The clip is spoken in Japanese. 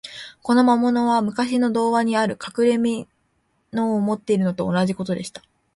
この魔物は、むかしの童話にある、かくれみのを持っているのと同じことでした。